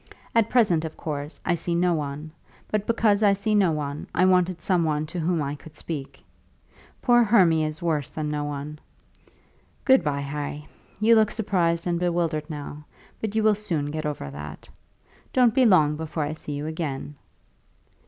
At present, of course, I see no one; but because I see no one, I wanted some one to whom I could speak. Poor Hermy is worse than no one. Good by, Harry; you look surprised and bewildered now, but you will soon get over that. Don't be long before I see you again."